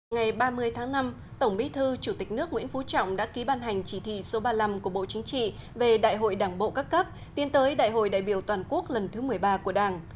ngày ba mươi tháng năm tổng bí thư chủ tịch nước nguyễn phú trọng đã ký ban hành chỉ thị số ba mươi năm của bộ chính trị về đại hội đảng bộ các cấp tiến tới đại hội đại biểu toàn quốc lần thứ một mươi ba của đảng